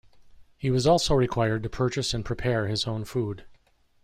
He was also required to purchase and prepare his own food.